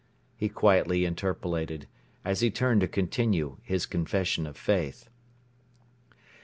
he quietly interpolated, as he turned to continue his confession of faith.